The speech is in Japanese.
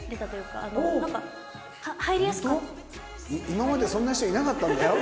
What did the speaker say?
今までそんな人いなかったんだよ？